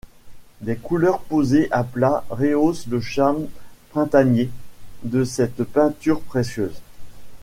Des couleurs posées à plat rehaussent le charme printanier de cette peinture précieuse.